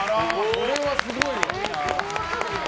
これはすごいよ。